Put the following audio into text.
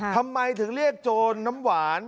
ทำไมถึงเรียกโจรน้ำหวาน